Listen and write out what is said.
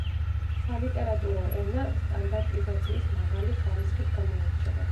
სალიტერატურო ენა სტანდარტიზაციის მაღალი ხარისხით გამოირჩევა.